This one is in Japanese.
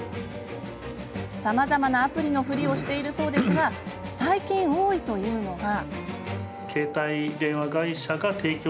さまざまなアプリのふりをしているそうですが最近、多いというのが。